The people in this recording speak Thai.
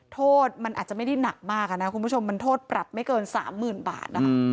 โทษมันอาจจะไม่ได้หนักมากนะคุณผู้ชมมันโทษปรับไม่เกิน๓๐๐๐บาท